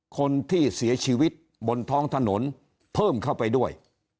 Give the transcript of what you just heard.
คนที่เสียชีวิตบนท้องถนนเพิ่มเข้าไปด้วย